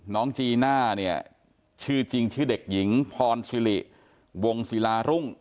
น้องจีน่าเนี่ยชื่อจริงชื่อเด็กหญิงพรสิริวงศิลารุ่ง